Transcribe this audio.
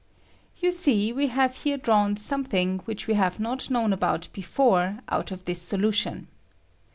You see we have here drawn something which we have not known about before out of this solution.